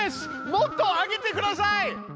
もっとあげてください！